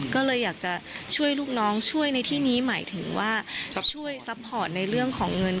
ก็เลยอยากจะช่วยลูกน้องช่วยในที่นี้หมายถึงว่าช่วยซัพพอร์ตในเรื่องของเงิน